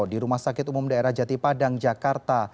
di rumah sakit umum daerah jatipadang jakarta